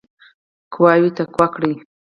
قواوي تقویه کړي.